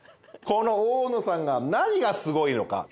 この大野さんが何がすごいのか。